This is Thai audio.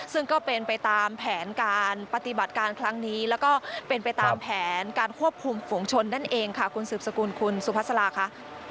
ซึ่งก็เป็นไปตามแผนการปฏิบัติการครั้งนี้แล้วก็เป็นไปตามแผนการควบคุมฝุงชนนั่นเองค่ะคุณสืบสกุลคุณสุภาษาลาค่ะ